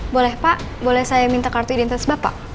boleh pak boleh saya minta kartu identitas bapak